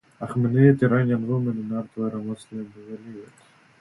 Achaemenid Iranian women in art were mostly veiled.